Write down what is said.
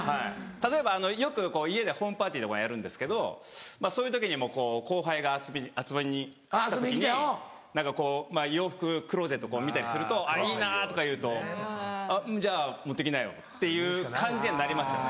例えばよく家でホームパーティーとかやるんですけどそういう時にも後輩が遊びに来た時に何かこう洋服クローゼット見たりすると「いいな」とか言うと「じゃあ持って行きなよ」っていう感じにはなりますよね。